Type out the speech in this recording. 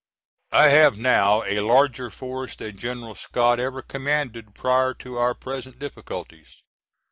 I have now a larger force than General Scott ever commanded prior to our present difficulties.